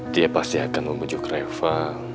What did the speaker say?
dia pasti akan membujuk reva